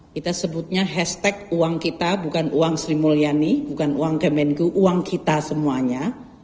kita sebutnya hashtag uang kita bukan uang sri mulyani bukan uang kemenku uang kita semuanya